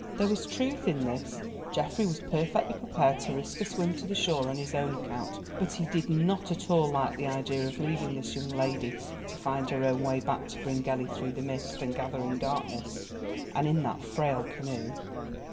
There was truth in this. Geoffrey was perfectly prepared to risk a swim to the shore on his own account, but he did not at all like the idea of leaving this young lady to find her own way back to Bryngelly through the mist and gathering darkness, and in that frail canoe.